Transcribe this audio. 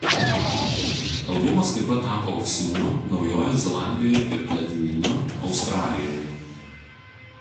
Albumas taip pat tapo auksiniu Naujojoje Zelandijoje ir platininiu Australijoje.